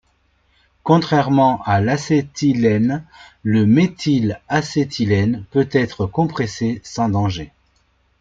Contrairement à l'acétylène, le méthylacétylène peut être compressé sans danger.